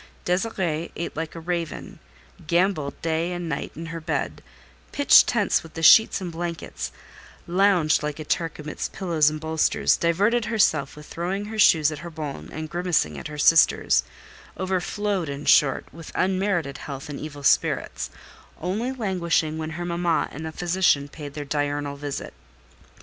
Désirée eat like a raven, gambolled day and night in her bed, pitched tents with the sheets and blankets, lounged like a Turk amidst pillows and bolsters, diverted herself with throwing her shoes at her bonne and grimacing at her sisters—over flowed, in short, with unmerited health and evil spirits; only languishing when her mamma and the physician paid their diurnal visit.